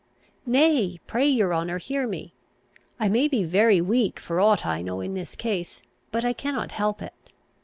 "Nay, pray your honour, hear me. I may be very weak for aught I know in this case, but I cannot help it.